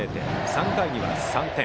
３回には３点。